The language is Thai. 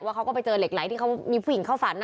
เขาก็ไปเจอเหล็กไหลที่เขามีผู้หญิงเข้าฝัน